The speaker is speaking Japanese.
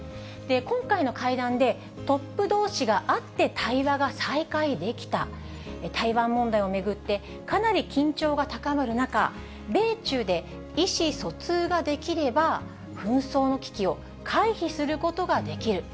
今回の会談で、トップどうしが会って対話が再開できた、台湾問題を巡って、かなり緊張が高まる中、米中で意思疎通ができれば紛争の危機を回避することができる。